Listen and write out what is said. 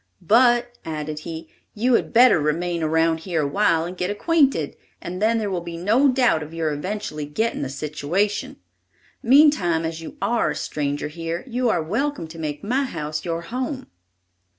"But," added he, "you had better remain around here awhile and get acquainted, and then there will be no doubt of your eventually getting a situation. Meantime, as you are a stranger here, you are welcome to make my house your home."